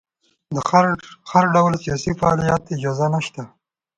د هر ډول سیاسي فعالیت اجازه نشته.